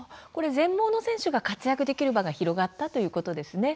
全盲の選手が活躍できる場が広がったということですね。